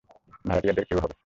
ভাড়াটিয়া দের কেউ হবে।